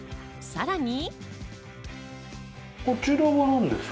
さらに。